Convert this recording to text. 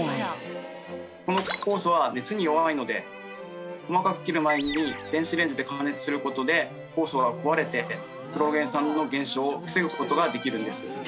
この酵素は熱に弱いので細かく切る前に電子レンジで加熱する事で酵素は壊れてクロロゲン酸の減少を防ぐ事ができるんです。